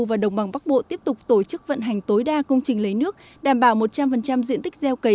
và đồng bằng bắc bộ tiếp tục tổ chức vận hành tối đa công trình lấy nước đảm bảo một trăm linh diện tích gieo cấy